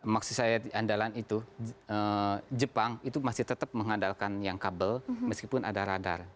maksud saya andalan itu jepang itu masih tetap mengandalkan yang kabel meskipun ada radar